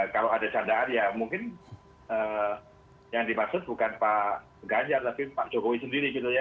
kalau ada candaan ya mungkin yang dimaksud bukan pak ganjar tapi pak jokowi sendiri gitu ya